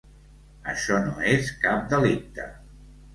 Això no és cap delicte.